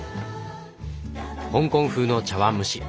香港風の茶碗蒸し。